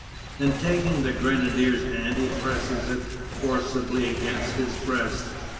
And taking the grenadier's hand he presses it forcibly against his breast.